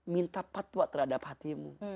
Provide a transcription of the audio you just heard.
minta patwa terhadap hatimu